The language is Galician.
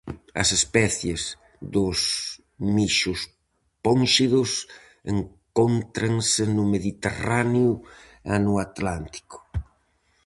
As especies dos mixospónxidos encóntranse no Mediterráneo e no Atlántico.